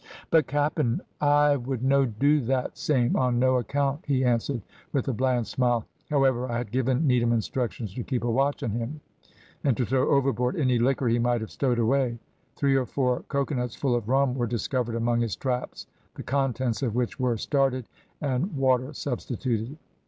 "`But, cap'n, I would no' do that same, on no account,' he answered, with a bland smile; however, I had given Needham instructions to keep a watch on him, and to throw overboard any liquor he might have stowed away. Three or four cocoanuts full of rum were discovered among his traps, the contents of which were started, and water substituted.